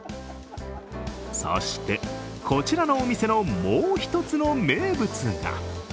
そして、こちらのお店のもうひとつの名物が。